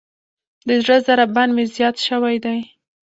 د زړه ضربان مې زیات شوئ دی.